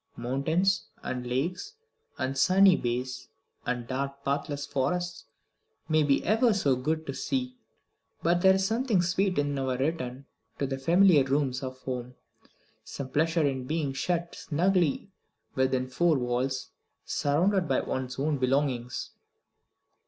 Mountains, and lakes, and sunny bays, and dark pathless forests, may be ever so good to see, but there is something sweet in our return to the familiar rooms of home; some pleasure in being shut snugly within four walls, surrounded by one's own belongings.